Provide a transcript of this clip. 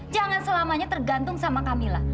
jangan selamanya tergantung sama camilla